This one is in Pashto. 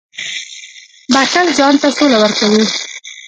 • بښل ځان ته سوله ورکوي.